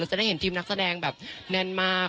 จะได้เห็นทีมนักแสดงแบบแน่นมาก